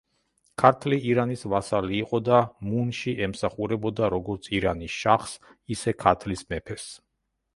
ქართლი ირანის ვასალი იყო და მუნში ემსახურებოდა როგორც ირანის შაჰს, ისე ქართლის მეფეს.